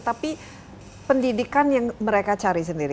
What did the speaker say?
tapi pendidikan yang mereka cari sendiri